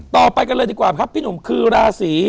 ต่อไปกันเลยดีกว่าครับพี่หนุ่มคือราศี